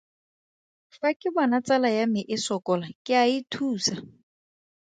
Fa ke bona tsala ya me e sokola, ke a e thusa.